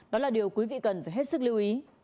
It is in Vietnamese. đó là điều quý vị cần phải hết sức lưu ý